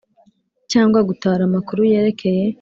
cyangwa gutara amakuru yerekeye